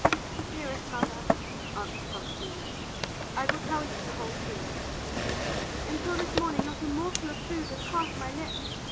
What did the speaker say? "Dearest mother," answered Proserpina, "I will tell you the whole truth. Until this morning not a morsel of food had passed my lips.